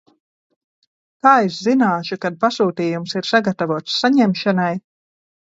Kā es zināšu, kad pasūtījums ir sagatavots saņemšanai?